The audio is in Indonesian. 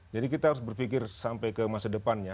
jadi kita harus berpikir sampai ke masa depannya